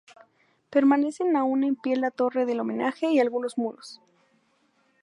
Permanecen aún en pie la torre del homenaje y algunos muros.